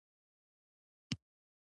د ننه کور کې مه ګرځه که پښې دې لمدې وي.